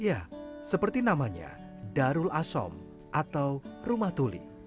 ya seperti namanya darul asom atau rumah tuli